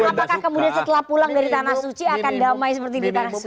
apakah kemudian setelah pulang dari tanah suci akan damai seperti di tanah suci